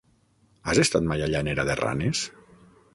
Has estat mai a Llanera de Ranes?